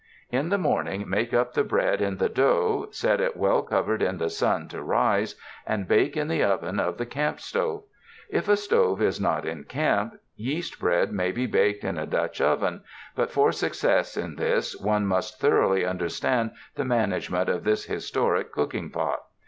In the morning make up the bread in the dough, set it well covered in the sun to rise, and bake in the oven of the camp stove. If a stove is not in camp, yeast bread may be baked in a Dutch oven, but for success in this one must thoroughly understand the management of this historic cook ing pot.